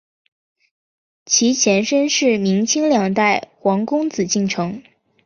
其前身是明清两代皇宫紫禁城。